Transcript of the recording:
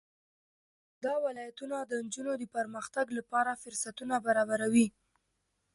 دا ولایتونه د نجونو د پرمختګ لپاره فرصتونه برابروي.